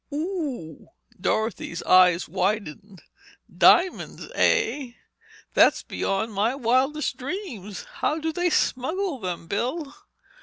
"Ooh!" Dorothy's eyes widened. "Diamonds, eh! That's beyond my wildest dreams. How do they smuggle them, Bill?"